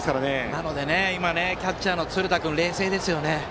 ですのでキャッチャーの鶴田君冷静ですよね。